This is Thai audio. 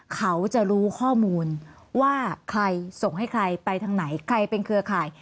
เขาจะรู้ข้อมูลว่าใครส่งให้ใครไปทางไหนใครเป็นเครือข่าย